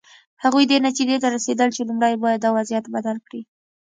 هغوی دې نتیجې ته رسېدلي چې لومړی باید دا وضعیت بدل کړي.